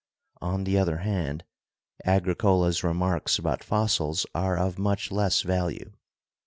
On the other hand, Agricola's remarks about fossils are of much less value.